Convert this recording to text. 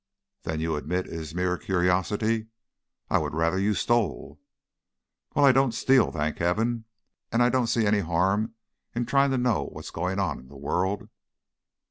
"Then you admit it is mere curiosity? I would rather you stole." "Well, I don't steal, thank heaven. And I don't see any harm in tryin' to know what's goin' on in the world."